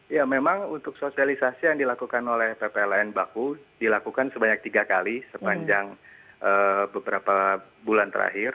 ya memang untuk sosialisasi yang dilakukan oleh ppln baku dilakukan sebanyak tiga kali sepanjang beberapa bulan terakhir